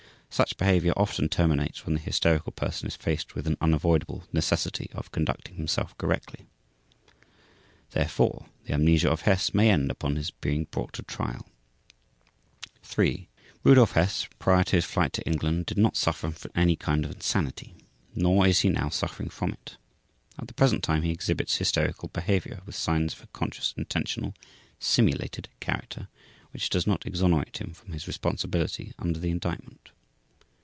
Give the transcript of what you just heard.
Such behavior often terminates when the hysterical person is faced with an unavoidable necessity of conducting himself correctly. Therefore, the amnesia of Hess may end upon his being brought to Trial. 3. Rudolf Hess, prior to his flight to England, did not suffer from any kind of insanity, nor is he now suffering from it. At the present time he exhibits hysterical behavior with signs of a conscious intentional (simulated) character, which does not exonerate him from his responsibility under the Indictment.